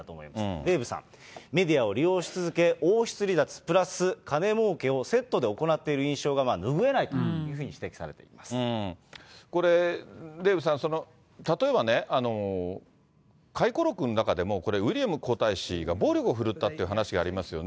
デーブさん、メディアを利用し続け、王室離脱プラス金もうけをセットで行っている印象が拭えないといこれ、デーブさん、例えばね、回顧録の中でも、これ、ウィリアム皇太子が暴力を振るったって話がありますよね。